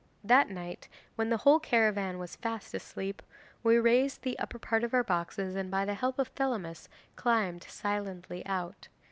'That night, when the whole caravan was fast asleep, we raised the upper part of our boxes and by the help of Thelamis climbed silently out.